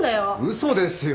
嘘ですよ。